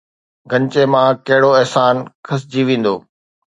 گنچي مان ڪهڙو احسان کسجي ويندو؟